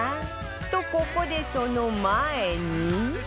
とここでその前に